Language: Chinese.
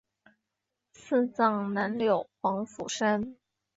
赐葬南柳黄府山。